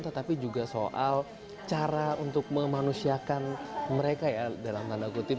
tetapi juga soal cara untuk memanusiakan mereka ya dalam tanda kutip